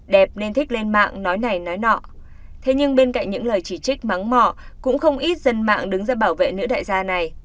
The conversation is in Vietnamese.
đẹp nên thích lên mạng nói này nói nọ thế nhưng bên cạnh những lời chỉ trích mắng mỏ cũng không ít dân mạng đứng ra bảo vệ nữ đại gia này